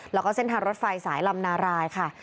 แล้วก็เส้นทางรถไฟสายลำนารายค่ะ